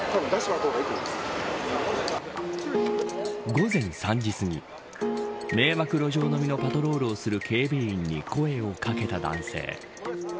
午前３時すぎ迷惑路上飲みのパトロールをする警備員に声をかけた男性。